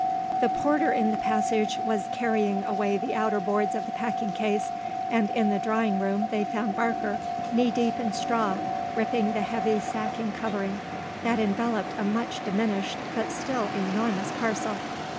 The porter, in the passage, was carrying away the outer boards of the packing case and in the drawing room they found Barker, knee deep in straw, ripping the heavy sacking covering that enveloped a much diminished but still enormous parcel.